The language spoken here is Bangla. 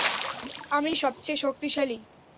আমিই সবচেয়ে শক্তিশালী।